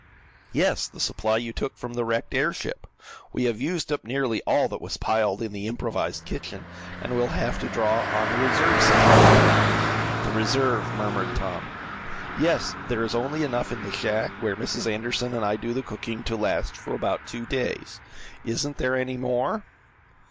"Yes, the supply you took from the wrecked airship. We have used up nearly all that was piled in the improvised kitchen, and we'll have to draw on the reserve supply." "The reserve," murmured Tom. "Yes, there is only enough in the shack where Mrs. Anderson and I do the cooking, to last for about two days. Isn't there any more?"